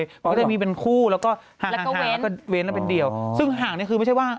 แล้วก็จะมีเป็นคู่แล้วก็เว้นแล้วเป็นเหรียวซึ่งห่างนี่คือไม่ใช่ว่า